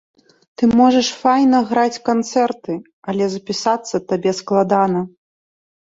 Ты можаш файна граць канцэрты, але запісацца табе складана.